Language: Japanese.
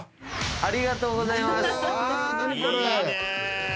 ありがとうございます。